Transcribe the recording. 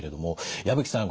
矢吹さん